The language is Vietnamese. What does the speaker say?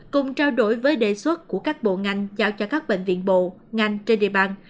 cùng trao đổi với đề xuất của các bộ ngành giao cho các bệnh viện bộ ngành trên địa bàn